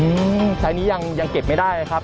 อืมไซส์นี้ยังเก็บไม่ได้ครับ